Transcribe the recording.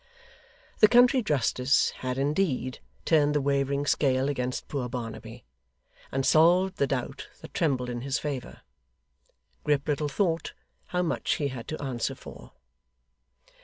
The country justice had indeed turned the wavering scale against poor Barnaby, and solved the doubt that trembled in his favour. Grip little thought how much he had to answer for.